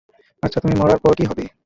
আচ্ছা, তুমি মরার পর কী হবে?